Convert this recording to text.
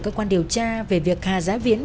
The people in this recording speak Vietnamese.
các quan điều tra về việc hà giá viễn